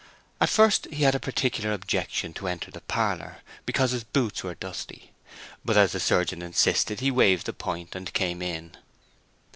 At first he had a particular objection to enter the parlor, because his boots were dusty, but as the surgeon insisted he waived the point and came in.